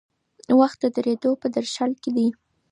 وخت د درېدو په درشل کې دی.